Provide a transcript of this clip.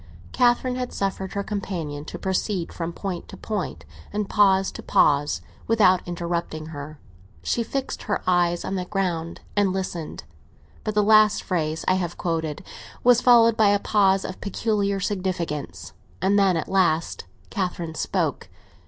Catherine had suffered her companion to proceed from point to point, and pause to pause, without interrupting her; she fixed her eyes on the ground and listened. But the last phrase I have quoted was followed by a pause of peculiar significance, and then, at last, Catherine spoke.